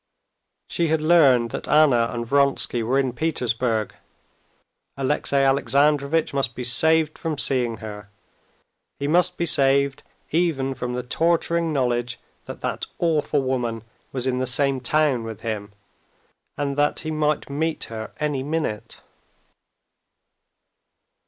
She had learned that Anna and Vronsky were in Petersburg. Alexey Alexandrovitch must be saved from seeing her, he must be saved even from the torturing knowledge that that awful woman was in the same town with him, and that he might meet her any minute.